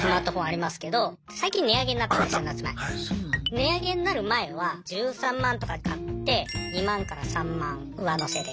値上げになる前は１３万とかで買って２万から３万上乗せで。